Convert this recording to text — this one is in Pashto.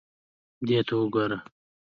دې ته وګوره.